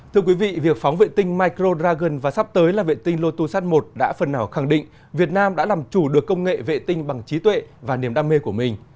thưa quý vị việc phóng vệ tinh micro dragon và sắp tới là vệ tinh lotus i đã phần nào khẳng định việt nam đã làm chủ được công nghệ vệ tinh bằng trí tuệ và niềm đam mê của mình